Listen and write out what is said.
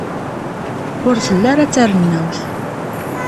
Ur telli ara d tarennawt.